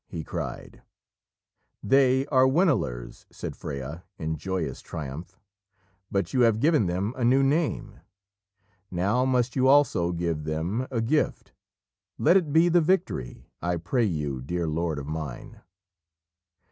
he cried. "They are Winilers!" said Freya, in joyous triumph, "but you have given them a new name. Now must you also give them a gift! Let it be the victory, I pray you, dear lord of mine."